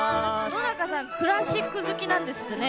野中さんはクラシック好きなんですよね。